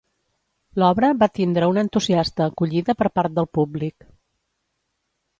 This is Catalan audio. L'obra va tindre una entusiasta acollida per part del públic.